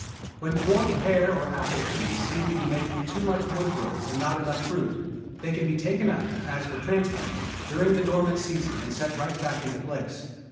When dwarf pear or apple trees seem to be making too much wood growth and not enough fruit, they can be taken up, as for transplanting, during the dormant season and set right back into place.